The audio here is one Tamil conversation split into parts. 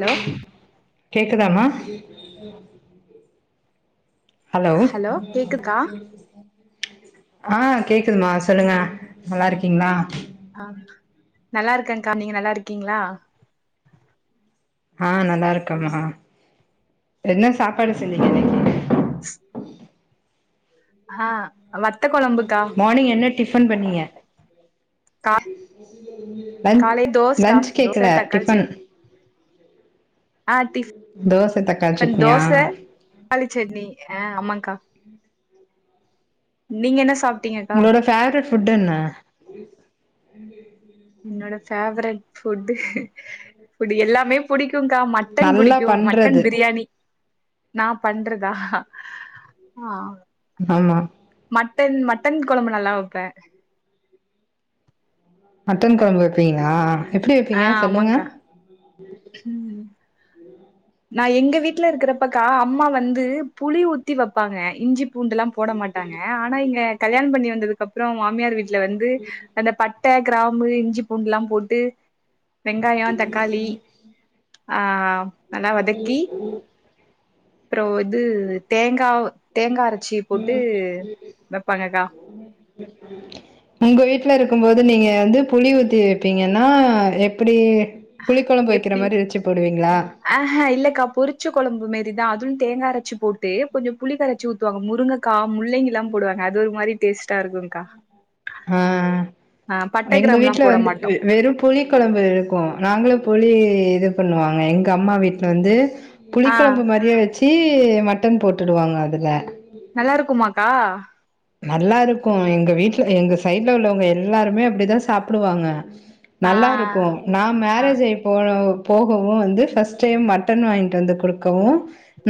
ஹலோ ம் கேக்குதாமா ஹலோ ஆ கேக்குதுமா சொல்லுங்க நல்லாருக்கீங்ளா ஆ நல்லாருக்கங்க்கா நீங்க நல்லாருக்கீங்ளா ஆ நல்லாருக்கம்மா என்ன சாப்பாடு செஞ்சிங்க ம் இன்னக்கி [inaudible] ஆ ஆ வத்த கொழம் மார்னிங் என்ன டிஃபன் பண்ணிய கா லன் காலை தோசக்கா லன்ச் கேக்கல தோச தக்காளி டிஃபன் சட்னி ஆ தோச தக்காளி சட்னியா க்காளிச்சட்னி ஆ ஆமாக்கா நீங்க என்ன சாப் உங்களோட ஃபேவரட் ஃபுட் என்ன என்னோட ஃபேவரட் ஃபுட்டு புடு எல்லாமே புடிக்குங்கா மட்டன் நல்லா புடிக்கூ மட்டன் பண்றது பிரியாணி நா பண்றதா ஆ ஆமா மட்டன் மட்டன் கொழம்பு நல்லா வப்ப மட்டன் கொழம்பு வப்பீங்களா எப்டி ஆ வப்பீங்க சொல்லுங்க ஆமாக்கா ம் நா எங்க வீட்ல இருக்றப்பக்கா அம்மா வந்து புளி ஊத்தி வப்பாங்க இஞ்சி பூண்டுலா போட மாட் டாங்க ஆனா இங்க கல்யாண பண்ணி வந்ததுக்கப்றோ மாமியார் வீட் ட்ல வந்து அந்த பட்ட க்ராம்பு இஞ்சி பூண்டுலா போட்டு வெங்காயொ தக்காளி ஆ ஆ [inaudible] ப்றோ இது தேங்காவு தேங்கா அரச்சி போட்டு வெப்பாங்ககா [inaudible] உங்க வீட்ல இருக்கும்போது நீங்க வந்து புளி ஊத்தி வெப்பீங்கன்னா எப்டி புளிக் கொழம்பு வெக்கிற மாரி வெச்சு போடுவீங்ளா ஆஹா இல்லக்கா பொறிச்ச கொழம்பு மேரிதா அதுவு தேங்கா அரச்சி போட்டு கொஞ்சொ புளிக்கரச்சு ஊத் துவாங்க முருங்கக்கா முள்ளங்கிலா போடுவாங்க அது ஒரு மாரி டேஸ்ட்டா இருக்குங்க்கா ஆ ஆ பட்ட எங்க கிராம்புல்லா வீட்ல போட வந்து மாட்டோ வெ வெறு புளி கொழம்பு இருக்கூ நாங்களு புளி இது பண்ணுவாங்க எங்க அம்மா வீட்ல வந்து புளிக் ஆ கொழம்பு மாரியே வச்சி மட்டன் போட்டுடுவாங்க அதுல நல்லாருக்குமாக்கா நல்லாருக்கூ எங்க வீட்ல எங்க சைட்ல உள்ளவங்க எல்லாருமே அப்டிதா சாப்டுவாங்க ஆ நல்லாருக்கூ நா ஆ மேரேஜ் ஆயி போ போகவு வந்து ஃபஸ் டைம் மட்டன் வாங்கிட்டு வந்து குடுக்கவு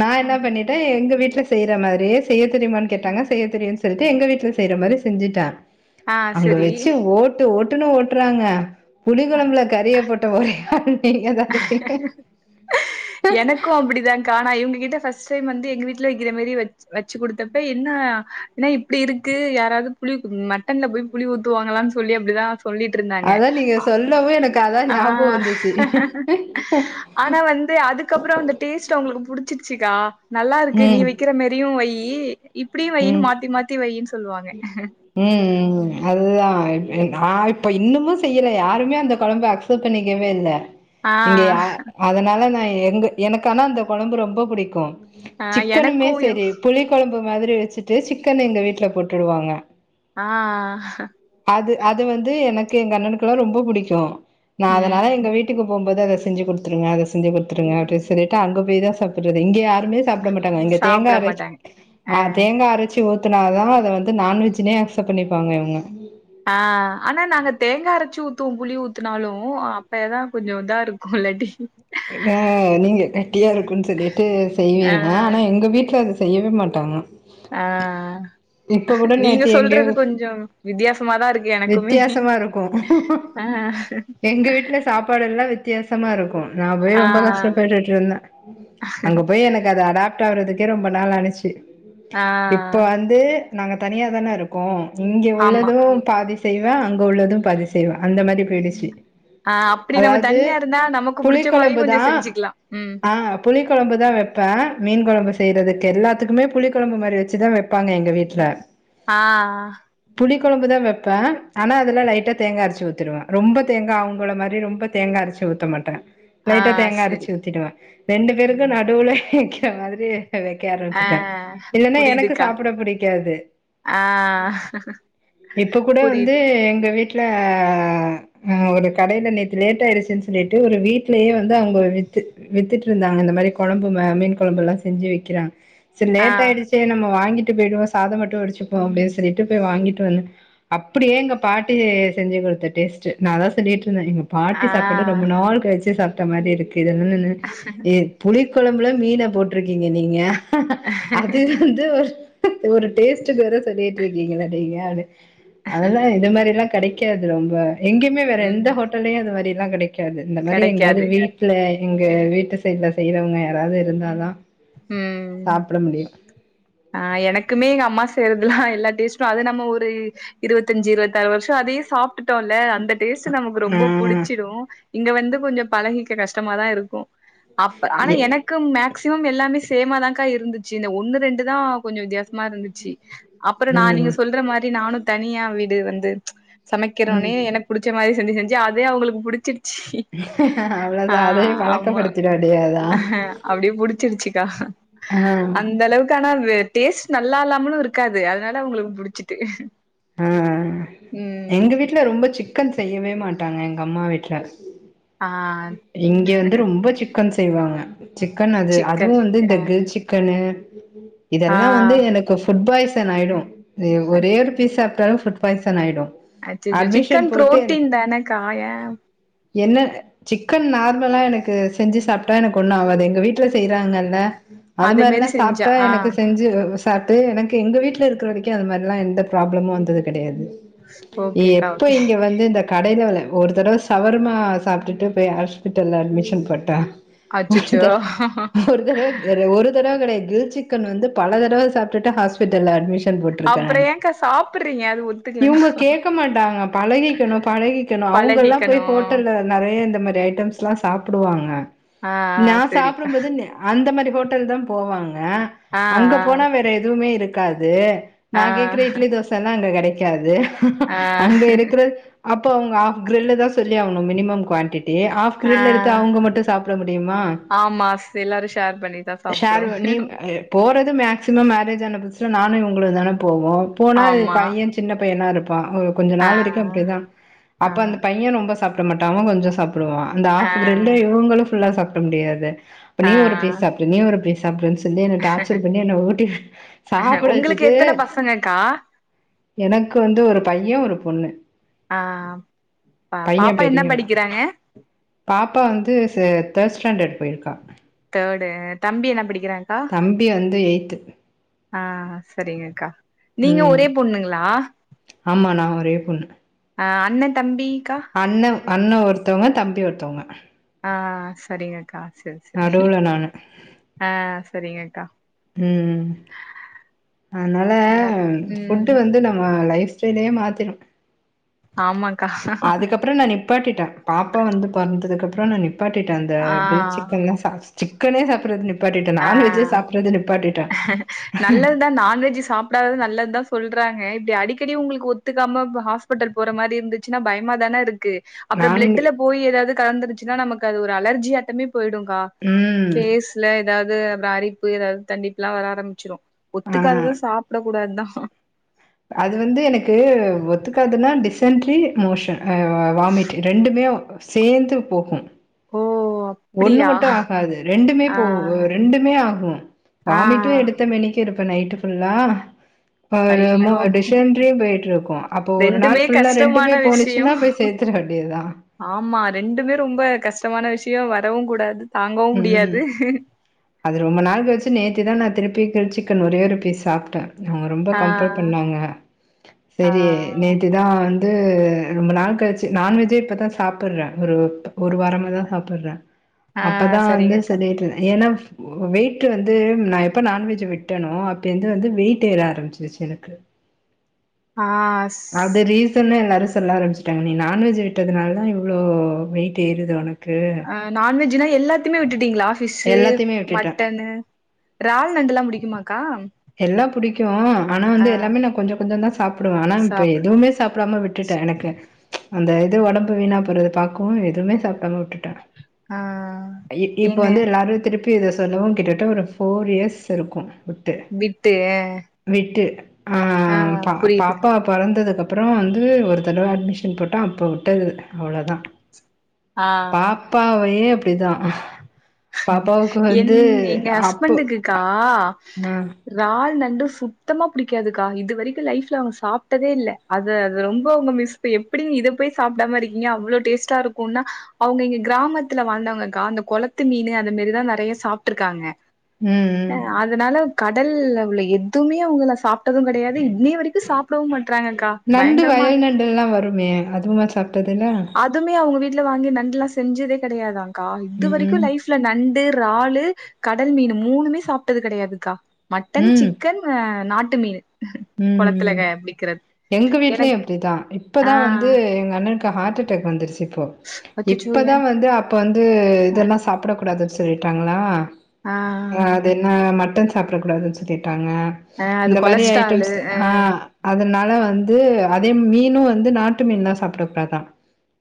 நா என்ன பண்ணி த எங்க வீட்ல செய்ற மாரியே செய்ய தெரிமானு கேட்டாங்க செய்ய தெரியு சொல்ட்டு எங்க வீட்ல செய்ற மாரி செஞ்சுட்டே ஆ அங்க செரி வச்சு ஓட் ட்டு ஓட்டுன்னு ஓட்றாங்க புளி கொழம்புல கறியப்போட்ட ஒரே ஆள் தெரியாது [inaudible] கா நா இங்க கிட்ட ஃபஸ்ட் டைம் வந்து எங்க வீட்ல வெக்கிற மரி வச் வச்சு குடுத்தப்ப என்ன என்ன இப்டி இருக்கு யாராது புளி மட் டன்ல போய் புளி ஊத்துவாங்களான் சொல்லி அப்டிதா சொல்லி அதா நீங்க சொல்லவு எனக்கு அதா ஆ ஞாபோ வந்துச்சு ஆனா வந்து அதுக்கப்றோ அந்த டேஸ்ட் அவுங்களுக்கு புடிச்சிருச்சுக்கா நல்லா இருக்கு நீ ம் வெக்கிற மேரி அதயு வையி இப்டியு வையி மாத்தி மாத்தி வையின் சொல்வாங்க ம் ம் ம் அதுதா நா இப்ப இன்னுமு செய்யல யாருமே அந்த கொழம்ப அக்சப்ட் பண்ணிக்கவே இல்ல ஆ இங்க யா அதனால நா எங்க எனக்கு ஆனா அந்த கொழம்பு ரொம்ப புடிக்கு ஆ எனக்கு சிக்குனுமே செரி புளி கொழம்பு மாதிரி வச்சுட்டு சிக்கன் எங்க வீட்ல போட்டுடுவாங்க ஆ ஆ அது அது வந்து எனக்கு எங்க அண்ணனுக்குலா ரொம்ப புடிக்கு நா ம் அதனால எங்க வீட் ட்டுக்கு போம்போது அத செஞ்சு குடுத்துருங்க அத செஞ்சு குடுத்துருங்க அப்டி சொல்லிட்டு அங்க போய் தா சாப்புர்றது இங்க யாருமே சாப்ட மாட்டாங்க இங்க தேங்கா சாப்ட அரைச்சி மாட்டாங்க ஆ தேங்கா அரைச்சி ஊத்துனாதா அத வந்து நான் வெஜ்னே அக்சப்ட் பண்ணிப்பாங்க இவங்க ஆ ஆனா நாங்க தேங்கா அரைச்சு ஊத்துவோ புளி ஊத்துனாலு அப்பதா கொஞ்சோ இதாருக்கு இல்லாட்டி ஆ நீங்க கெட்டியா இருக்குன் சொல்லிட்டு ஆ செய்வீங்க ஆனா எங்க வீட்ல அது செய்யவே மாட்டாங்க ஆ இப்ப ஆ கூட நீங்க நேத்து எங்கயோ சொல்றது கொஞ்சோ வித்யாசமாதா இருக்கு எனக்குமே வித்தியாசமா இருக்கு அ எங்க வீட்ல சாப்பாடெல்லா வித்தியாசமா இருக்கு நா போய் ஆ ரொம்ப கஷ்டப்பட்டுட்ருந்தே அங்க போய் எனக்கு அது அடாப் டாவுறதுக்கே ரொம்ப நாள் ஆணுச்சு ஆ இப்ப வந்து நாங்க தனியா தான இருக் க்கு இங்க ஆமா உள்ளது பாதி செய்வே அங்க உள்ளது பாதி செய்வே அந்த மாரி பேய்டுச்சு அ அப்டி நம்ம தனியா இருந்தா நமக்கு புடிச்ச மாரி புளிக்கொழம்பு தா கொஞ்சோ செஞ்சுக்குலா ம் ஆ புளிக்கொழம்பு தா வைப்பே மீன் கொழம்பு செய்றதுக்கு எல்லாத்துக்குமே புளி கொழம்பு மாரி வச்சு தா வைப்பே ப்பாங்க எங்க வீட்ல ஆ ஆ புளி கொழம்பு தா வைப்பே ஆனா அதுல லைட்டா தேங்கா அரைச்சு ஊத்திருவே ரொம்ப தேங்கா அவங்கள மாரி ரொம்ப தே தேங்கா அரச்சு ஊத்த மாட்டே ஆ லைட்டா தேங்கா செரி அரச்சு ஊத்திடுவே ரெண்டு பேருக்கு ம் நடுவுல வைக்கிற மாதிரி வைக்கே ஆ ஆரம்பிச்சுட்டே இல்லன்னா எனக்கு புரியுதுக்கா சாப்ட புடிக்காது ஆ இப்ப கூட வந்து புரியுது எங்க வீட் வீட்ல அ ஒரு கடைல நேத்து லேட் ஆயிடுச்சுன் சொல்லிட்டு ஒரு வீட் வீ்ட்லயே வந்து அவங்க வித்து வித்துட்ருந்தாங்க இந்த மாரி கொழம்பு ம மீன் கொழம்பு எல்லா செஞ்சு விக்கிறாங் செரி ஆ லேட் ஆயிடுச்சே நம்ம வாங்கிட்டு போயிடுவோ சாதோ மட்டு வடிச்சுப்போ அப்டின் சொல்லிட்டு போய் வாங்கிட்டு வந்தே அப்டியே எங்க பாட்டி செஞ்சு குடுத்த டேஸ்ட்டு நா அதா சொல்லிட்ருந்தே பாட்டி ஆ சாப்பாடு ரொம்ப நாள் கழிச்சு சாப்ட்ட மாரி இருக்கு [inaudible] ஏ புளி கொழம்புல மீன போட்ருக்கீங்க நீங்க அது வந்து ஒரு ஒரு டேஸ்ட்க்கு வேற சொல்லிட்ருக்கீங்களா நீங்கனு அததா இத மாதிரிலா கெடைக் கிடைக்காது ரொம்ப எங்கயுமே வேற ம் எந்த ஹோட்டலையு அது மாரிலா கிடைக்காது இந்த மாரி எங்கயாவது கெடைக்காது வீ இல்ல எங்க வீட்டு சைட்ல செய்யறவங்க யாராவது இருந்தா தா சாப்ட முடியு அ எனக்குமே எங்க அம்மா செய்றதுலா எல்லா டேஸ்ட்டு அது நம்ம ஒரு இருவத்தஞ்சு இருவத்தி ஆறு வருஷ அதே சாப்ட் விட்டோல்ல அந்த டேஸ்ட் நமக்கு ஆ ரொம்ப புடிச்சிடு இங்க வந்து கொஞ்ச பழகிக்க கஷ்டமா தா இருக்கு அப்ப ஆனா எனக்கு மேக்சிமம் எல்லாமே சேமா தான்கா இருந்துச்சு இந்த ஒன்னு ரெண்டு தா கொஞ்ச வித்தியாச மாரி இருந்துச்சு அப்பற நா நீங்க ம் சொல்ற மாரி நானும் தனியா வீடு வந்து சமைக்கிறோனே ம் எனக்கு புடிச்ச மாரி செஞ்சு செஞ்சு அதே அவங்களுக்கு புடிச்சி அ அவ்ளோதா அதையு ஆமா பழக்கப்படுத்திட வேண்டியதா அப்டியே புடிச்சிருச்சு ஹ அந் ஆ அந்த அளவுக்கு ஆனா அது டேஸ்ட் நல்லா இல்லாமலு இருக்காது அதனால அவங்களுக்கு புடிச்சிட்டு அ ம் எங்க வீட்ல ரொம்ப சிக்கன் செய்யவே மாட்டாங்க எங்க அம்மா வீட்ல ஆ இங்க வந்து ரொம்ப சிக்கன் செய்வாங்க சிக்கன் அது சிக்கன் அதுவும் வந்து அ இந்த கிரில் சிக்கனு ஆ இதெல்லா வந்து எனக் இப்ப ஃபுட் பாய்சன் ஆயிடு ஒரே ஒரு பீஸ் சாப்ட்டாலு ஃபுட் பாய்சன் ஆயிடு அச்ச அச்சோ அட்மிஷன் சிக்கன் போட்டு எனக்கு ப்ரோட்டீன் தானக்கா ஏ என்ன சிக்கன் நார்மலா எனக்கு செஞ்சு சாப்பிட்டா எனக்கு ஒண்ணு ஆவாது எங்க வீட்டுல செய்யறாங்கல்ல அது அதே மாரி மாரில்லா செஞ்சா சாப்ட்டா ஆ எனக்கு செஞ்சு பாத்து எனக்கு எங்க வீட்ல இருக்கிற வரைக்கு அது மாரிலா எந்த ப்ராப்ளமு வந்தது கெடையாது ஏ ஓகேக்கா எப்ப ஓகே இங்க வந்து இந்த கடைல ஒரு தடவ சவர்மா சாப்ட்டுட்டு போய் ஹாஸ்பிட்டல அட்மிஷன் போட்டா ஒரு அச்சச்சோ தடவ ஒரு தடவ ஒரு தடவ கிடயாது கிரில் சிக்கன் வந்து பல தடவ சாப்டுட்டுட்டு ஹாஸ்பிட்டல் அட்மிஷன் போட்ருக்க அப்புற நானு ஏன்க்கா சாப்புட்றீங்க அது ஒத்துக்கலனா இவங்க கேட்க மாட்டாங்க பழகிக்கணு பழகி ணும் அவங்கலாம் போய் பழகிக்கணு ஹோட்டல்ல நெறைய இந்த ஐட்டம்ஸ்லா சாப்புடுவாங்க ஆ ஆ நா செரிக்கா சாப்புடும் போது ந அந்த மாரி ஹோட்டல் தா போவாங்க ஆ அங்க போனா வேற எதுவுமே இருக்காது நா ஆ கேக்கற இட்லி தோசலா அங்க கிடைக்காது ஆ ஆ அங்க இருக்கற அப்போ அவங்க ஆப் கிரில் தா சொல்லி ஆவணும் மினிமம் குவாண்டிட்டி ஆப் ஆ கிரில் எடுத்து அவங்க மட்டு சாப்ட முடியுமா ஆமா எல்லாரு ஷேர் பண்ணிதா ஷேர்ரு நீம் சாப்புடுவோ அ அ ஏ போறது மேக்சிமம் மேரேஜ் ஆன புதுசுல நானு இவங்களு தான போவோம் போனா ஆமா பையன் பொ சின்ன பையன்னா இருப்பா கொஞ்ச ஆ நாள் வரைக்கு அப்படிதா ஆ அப்ப அந்த பையன் ரொம்ப சாப்பிட மாட்டா அவன் கொஞ்சோ சாப்டுவா வா அந்த ஆ ஆப் கிரட இவங்களு புல்லா சாப்ட முடியாது அப்ப நீ ஒரு ஆ பீஸ் சாப்டு நீ ஒரு பீஸ் சாப் சாப்டுனு சொல்லி என்ன டார்ச்சர் பண்ணி என்ன ஊட்டி அஹ சாப்பட உங்களுக்கு வச்சுட்டு எத்தன பசங்கக்கா எனக்கு வந்து ஒரு பையன் ஒரு பொண்ணு ஆ ஆமா ப பையன் பாப்பா என்ன பெரியவன் படிக்கிறாங்க பாப்பா வந்து ச தேர்ட் ஸ்டாண்டர்ட் போயிருக்கா தேர்ட் அ தம்பி என்ன படிக்கிறாங் தம்பி வந்து எயி்த் ஆ சரிங்க அக்கா நீங்க ம் ஒரே பொண்ணுங்களா? ஆமா நான் ஒரே பொண்ணு ஆ அண்ண, தம்பிக்கா அண்ண அண்ண ஒருத்தவங்க தம்பி ஒருத்தவங்க. ஆ சரிங்க அக்கா சரி. சரி நடுவுல நானு ஆ சரிங்க அக்கா ம் ம் அதனால என்ன ம் ஃபுட்டு வந்து நம்ம லைஃப் ஸ்டைலயே மாத்திரு ஆமாக்கா அப்புற நா நிப்பாட்டிட்ட பாப்பா வந்து பொறந்தது அப்ரோ நா நிப்பாட்டிட்ட அந்த ஆ கிரில் சிக்கன சாப்ஸ் சிக்கனே சாப்றது நிப்பாட்டிட்ட ஆ நான்வேஜ் சாப்றது நிப்பாட்டிட்ட நல்லதுதா நான்வெஜ் சாப் ப்றவு நல்லதுதா சொல்றாங்க இப்டி அடிக்கடி உங்ளுக்கு ஒத்துக்காம போ ஹாஸ்பிட்டல் போற மாரி இருந்து ச்சினா பயமா தான இருக்கு அப்புற நான் பிளட்ல போய் ஏதாவது கலந்துருச்சின்னா நமக்கு அது ஒரு அலர்ஜி ஆட்டமே போய்டும்கா ம் சேஸ்ல ஏதாவது அந்த அரிப்பு ஏதாவது தண்டிப்புல்லா வர ஆரம்பிச்சிரு ஆ ஒத்துக்காதத சாப்ட கூடாதுதா அது வந்து எனக்கு ஒத்துக்காதுன்னா டிசென்ட்ரி மோஷன் அ அ வ வாமிட் ரெண்டுமே ஓ சேர்ந்து போகு ஓ ஒன்னு அப்டியா மட்டு ஆகாது ரெண்டுமே ஆ போகு ரெண்டுமே ஆகு ஆ வாமிட்டும் எடுத்த மனிக்கி இருப்ப நைட்டு புல்லா பாருமோ ஐயயோ டிசன்டரிம் போயிட்டு இருக்கு அப்போ ஒரு நாள் ரெண்டுமே ஃபுல்லா கஷ்டமான ரெண்டுமே போனிச் விஷயோ சின்னா போய் சேத்தர வேண்டியதா ஆமா ரெண்டுமே ரொம்ப கஷ்டமான விஷ்யோ வரவு கூடாது தாங்கவு முடியாது ம் அது ரொம்ப நாள் கழிச்சி நேத்துதா நா திருப்பி கிரில் சிக்கன் ஒரே ஒரு பீஸ் சாப்ட நாங்க ரொம்போ ஆ கம்போட் இண்ணாங்க ஆ சரி நேத்திதா வந் வந்து ரொம்ப நாள் கழிச்சி நான்வெஜ் இப்பதா சாப்ற ஒரு ஒரு ஒரு வாரமா தா சாப்புடுற ஆ அப்பதா வந்து சரிங்கக்கா சரின்றத ஏனாஃப் வெயிட் வந்து நா எப்ப நான்வெஜ் விட்டநோ அப்ப வந்து வந்து வெயிட் ஏற ஆரம்பிச்சிருச்சி எனக்கு ஆஸ் அது ரீசனே எல்லாருஸ் சொல்ல ஆரம்பிச்சட்டாங்க நீ நான்வெஜ் விட்டதுனால தா இவ்ளோ வெயிட் ஏறுது உனக்கு ஆ நான்வெஜ்னா எல்லாத்தையுமே விட்டுட்டீங்ளா ஃபிஷ்ஷு எல்லாத்தையுமே விட்டுட்டேன். மட்டனு இறால் நண்டு எல்லா முடிக்குமாக்கா எல்லா புடிக்கு ஆனா வந்து எல்லாமே நா கொஞ்ச கொஞ்சமா தா சாப்டுவ ஆனா இப்ப சாப்டு எதுவுமே சாப்டாம விட் விட்டுட்ட எனக்கு அந்த இது உடம்பு வீணா போறது பாக்கவு எதுவுமே சாப்டாம விட்டுட்ட ஆ இ இப்ப ஏங்க வந்து எல்லாரு திருப் இப்ப இத சொல்லவு கிட்டத்தட்ட ஒரு ஃபோர் இயர்ஸ் இருக்கு விட்டு விட்டு அஅ விட்டு ஆ பா புரியுது பாப்பாப் பொறந்ததுக்கு அப்புறோ வந்து ஒரு தடவ அட்மிஷன் போட்டோ அப்போ விட்டது அவ்ளோதா ஆ பாப்பாவே அப்டிதா பாப்பாவுக்கு என் வந்து எங்க அப்போ ஹஸ்பண்டுக்குக்கா ஆ ம் இறால் நண்டு சுத்தமா புடிக்காதுக்கா இது வரைக்கு லைஃப்ல அவுங்க சாப்டதே இல்ல அது அது ரொம்ப அவுங்க மிஸ் இப்ப எப்பிடிங்க இதப் போய் சாப்டாம இருக்கீங்க அவ்ளோ டேஸ்டா இருக்குன்னா அவுங்க இங்க கிராமத்துல வாழ்ந்தவங்கக்கா அந்த கொளத் குளத்து மீனு அத மாரிதா நெறைய சாப்ட்டுருக்காங்க அ ம் அதனாலப் கடல்ல உள்ள எதுமே அவுங்கள சாப்டது கெடையாது இன்னைய வரைக்கு சாப்டவு மாட்றாங்கக்கா நண்டு பயங்கரமா வயல் நண்டுல்லா வருமே அதுவுமா சாப்ட்டதில்ல அதுமே அவுங்க வீட்ல வாங்கி நண்டுல்லா செஞ்சதே கெடையாதாங்கா இது வரைக்கு ம். லைஃப் நண்டு இறாலு கடல் மீனு மூனுமே சாப்ட்டது கெடையாதுக்கா மட்டன் சிக்கன் ஆ நாட்டு மீனு ம் கொளத்துல ம் க புடிக்கிறது எங்க வீட்லயு எனக் அப்டிதா ஆ இப்பதா வந்து எங்க அண்ணனுக் ஹார்ட் அட்டாக் வந்துருச்சு இப்போ அச்சச்சோ ஏ இப்பதா வந்து அப் இப்ப வந்து இதெல்லா சாப்டக் கூடாதுனு சொல்லிட்டாங்களா ஆ அது ஆ மட்டன் சாப்டக் கூடாதுன் சொல்லிட்டாங்க அ அது இந்த மாரி கொலஸ்டாலு ஐட்டம்ஸ் அ ஆ அதனால வந்து அதே மீனும் வந்து நாட்டு மீன்லா சாப்டக் கூடாதா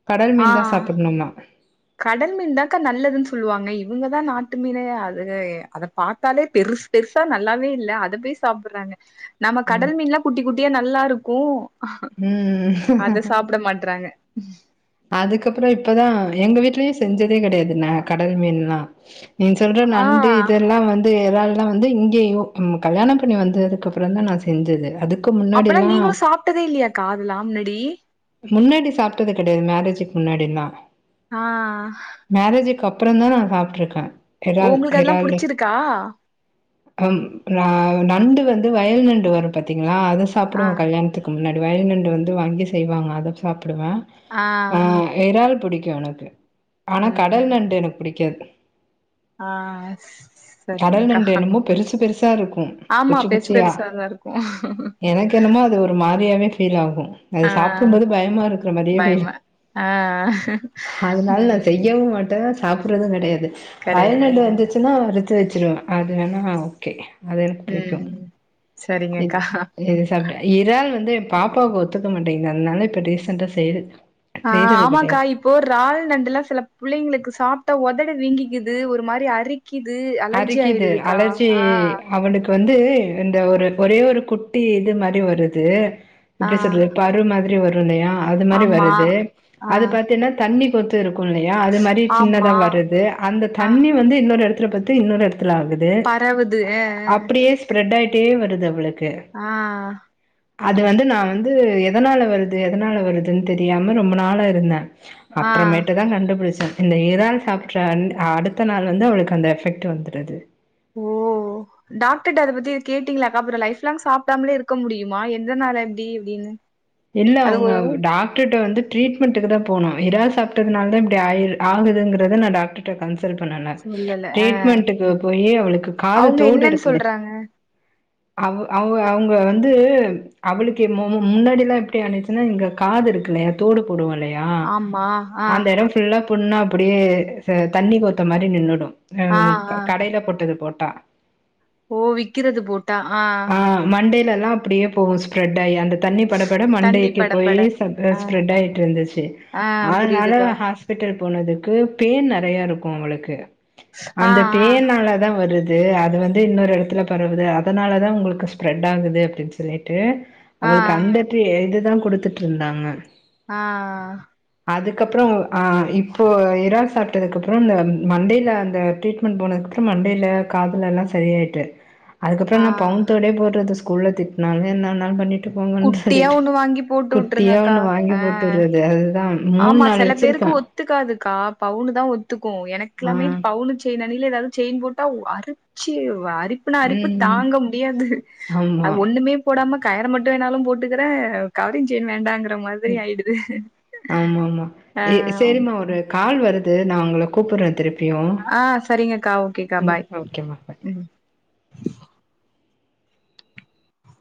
கடல் ஆ மீன்தா சாப்புட்ணுமா கடல் மீன் தாக்கா நல்லதுன்னு சொல்லுவாங்க இவுங்கதா நாட்டு மீனு அது அதப் பாத்தாலே பெருஸ் பெருசா நல்லாவே இல்ல அதப் போயி சாப்புட்றாங்க நம்ம கடல் மீன்லா குட்டிக் குட்டியா நல்லாருக்கு அத ம். சாப்ட மாட்றாங்க அதுக்கப்புறோ இப்பதா எங்க வீட்டுலயு செஞ்சதே கெடையாது ந கடல் மீன்லா நீங்க சொல்ற நண்டு ஆ இதெல்லா வந்து து இறால்லா வந்து இங்கேயு கல்யாணோ பண்ணி வந்ததுக்கு அப்புறந்தா நா செஞ்சது அதுக் அப்பனா நீங்களு சாப்டதே இல்லையாக்கா அதெல்லா மின்னாடி முன்னாடி சாப்டது கெடையாது மேரேஜுக்கு முன்னாடில்லா ஆ மேரேஜுக்கு அப்புறந்தா நா சாப்டுருக்கே ஓ எறால் உங்களுக்கு அதெல்லா எறாலு புடிச்சிருக்கா ம் ஆ நண்டு வந்து வயல் நண்டு வரும் பாத்தீங்களா அத ஆ சாப்டுவோ கல்யாணத்துக்கு க்கு முன்னாடி வயல்நண்டு வந்து வாங்கி செய்வாங்க அத சாப்பிடுவே ஆ எறால் புடிக்கு எனக்கு ஆனா ம் கடல் நண்டு எனக்கு புடிக்காது ஆ கடல் செரிங்கக்கா நண்டு என்னமோ பெருசு பெருசா இருக்கு ஆமா குச்சி பெருசு குச்சியா பெருசாதா இருக் எனக்கு என்னமோ அது ஒரு மாரியாவே ஃபீல் ஆகு அத ஆ சாப்பிடும்போது பயமா இருக்கற மாரியே ஃபீலு பயமா ஆ அதனால நா ம் செய்யவு மாட்டே சாப்டுறதுங் கெடையாது கெடையாது வயல்நண்டு வந்துச்சுன்னா வறுத்து வச்சிருவே அது வேணா ஓகே அது எனக்கு புடிக்கு ம் இது சரிங்கக்கா இ இறால் வந்து ஏ பாப்பாவுக்கு ஒத்துக்க மாட்டேங்குது அதனால இப்ப ரீசண்டா செய் ஆ ஆமாக்கா இப் போ றால் நண்டுல்லா சில புள்ளைங்களுக்கு சாப்டா ஒதடு வீங்கிக்குது ஒரு மாரி அரிக் க்குது அலர்ஜி அரிக்குது ஆயிடுதுக்கா அலர்ஜி ஆ அவனுக்கு வந்து இந்த ஒரு ஒரே ஒரு குட்டி இது மாரி வருது ஆ எப்புடி சொல்றது பரு மாதிரி வரு இல்லையா அது மாதிரி ஆமா வருது ஆ அது பாத்தீனா தண்ணி கொத்து இருக்கு இல்லையா அது மாரி சின்னதா ஆமா வருது அந்த ஆ தண்ணி வந்து இன்னொரு எடத்துல பத் து இன்னோரு எடத்துல ஆகுது பரவுது அப்டியே ஸ்ப்ரெட் ஆயிட்டே வருது அவளுக்கு ஆ அது வந்து நா வந்து எதனால வருது எதனால வருதுன்னு தெரியாம ரொம்ப நாளா இருந்தே ஆ அப்பறமேட்டுதா கண்டுபுடிச்சே இந்த இறால் சாப்புட்ற அந் அடுத்த நாள் வந்து அவளுக்கு அந்த எஃபெக்ட் ட்டு வந்துடுது ஓ டாக்டர்ட்ட அத பத்தி எது கேட்டீங்களா அக்கா அப்றோ லைஃப் லாங் சாப்டாமலே இருக்க முடியுமா எதனால இப்டி அப்டின் இல்ல உங்க டாக்டர்ட வந்து ட்ரீட்மெண்ட்டுக்கு தா போனோ இறால் சாப்டதுனால தா இப்டி ஆயிரு ஆகுதுங்குறத நா டாக்டர் ட்ட கன்சல்ட் பண்ணுன சொல்லல அ ட்ரீட்மெண்ட்டுக்கு போயி அவளுக்கு காது அவுங்க தோடு என்னன்னு இருக்குல்ல சொல்றாங்க அவ் அவ அவங்க வந்து அவளுக்கு எ மு மு முன்னாடிலா எப்டி ஆனுச்சுன்னா இங்க காது இருக்குல்லையா தோடு போடுவோ இல்லையா ஆமா ஆ அந்த எடோ ஃபுல்லா புண்ணா அப்பிடியே ஆ தண்ணி கோத்த மாரி நின்னுடு ஆ க கடைல போட்டது புரோட்டா ஓ விக்கிறது புரோட்டா ஆ மண்டைலலா அப்பிடியே போகு ஸ்ப்ரெட் ஆயி அந்த தண்ணி பட தண்ணி மண்டைக்கி பட போயி பட ச த ஆ ஸ்ப்ரெட் ஆயிட்ருந்துச்சு ஆ அதனால புரியுதுக்கா நா ஹாஸ் பிட்டல் போனதுக்கு பேன் நெறையா இருக்கு அவளுக்கு ஆ அந்த பேன்னாலதா வரு து அது வந்து இன்னொரு எடத்துல பரவுது அதனாலதா உங்களுக்கு ஸ்ப்ரெட் ஆகுது அப்டின்னு சொல்லிட்டு ஆ ஆ அவளுக்கு அந்த ட்ரீ இதுதா குடுத்துட்ருந்தாங்க ஆ அதுக்கப்றோ ஆ இப்போ இறால் சாப்ட்டதுக்கப்றோ இந்த ம் மண்டைல அந்த ட்ரீட் மெண்ட் போனதுக்கப்றோ மண்டைல காதுலல்லா சரியாயிட்டு அதுக்கப்றோ ஆ நா பவுன் தோடே போடுறது ஸ்கூல்ல திட்னாலு என்ன வேண்ணாலு பண்ணிட்டு போங்கன்னு குட்டியா சொல்லிட்டு ஒண்ணு வாங்கி போட்டு குட்டியா வுட்டுருங்கக்கா ஒண்ணு ஆ வாங்கி போட்டுர்றது அதுதா மூணு ஆமா நாலு சில பேருக்கு வச்சிருக்கே ஒத்துக்காதுக்கா பவுனுதா ஒத்துக்கு ஆ எனக்குலாமே பவுனு செய்ன ங்ல எதாவது செயின் போட்டா ஒ அரிச்சு அரி ப்புனா அரிப்பு ம் தாங்க முடியாது அ ஆமா ஒண்ணுமே போடாம கயிற மட்டும் வேணாலும் போட்டுக்கறே கவரிங் செயின் வேண்டாங்குற மாதிரி ஆயிடுது ஆமா ஆமா ஆ எ சேரிம்மா ஒரு கால் வருது நா உங்கள கூப்புட்றே திருப் பியு ஆ சரிங்கக்கா ஓகேக்கா ம் பாய் ஓகேம்மா பாய் ம்